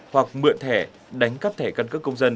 hoặc mượn thẻ đánh cắp thẻ căn cước công dân